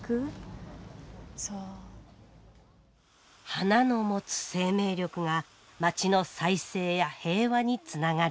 花の持つ生命力が町の再生や平和につながる。